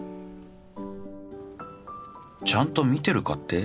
ちゃんと見てるかって？